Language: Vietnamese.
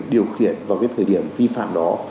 điều khiển vào cái thời điểm vi phạm đó